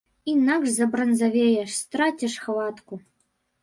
Інакш забранзавееш, страціш хватку.